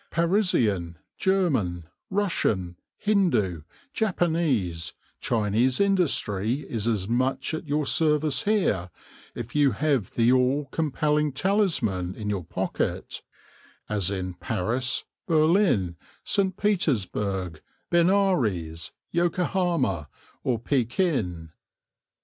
Parisian, German, Russian, Hindoo, Japanese, Chinese industry is as much at your service here, if you have the all compelling talisman in your pocket, as in Paris, Berlin, St. Petersburg, Benares, Yokohama or Pekin.